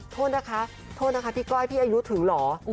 โทษนะคะโทษนะคะพี่ก้อยพี่อายุถึงเหรอ